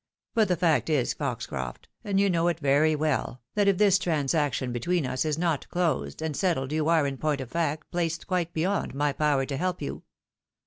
But the fact is, Foxcroft, and you know it very well, that if this transaction between us is not closed, and settled, you are, in point of fact, placed quite beyond my power to help you.